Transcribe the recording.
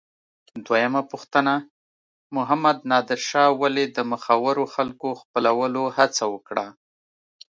دویمه پوښتنه: محمد نادر شاه ولې د مخورو خلکو خپلولو هڅه وکړه؟